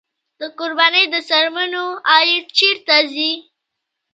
د قربانۍ د څرمنو عاید چیرته ځي؟